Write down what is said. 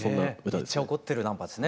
めっちゃ怒ってるナンバーですね。